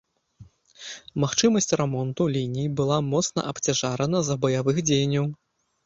Магчымасць рамонту ліній была моцна абцяжарана з-за баявых дзеянняў.